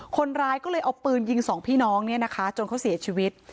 คนร้ายก็เลยเอาปืนยิงสองพี่น้องเนี่ยนะคะจนเขาเสียชีวิต